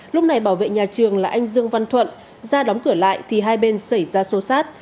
lúc này bảo vệ nhà trường là anh dương văn thuận ra đóng cửa lại thì hai bên xảy ra xô xát